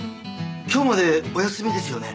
今日までお休みですよね？